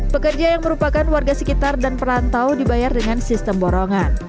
pekerja yang merupakan warga sekitar dan perantau dibayar dengan sistem borongan